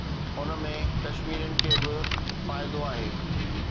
ان ۾ ڪشميرين کي به فائدو آهي.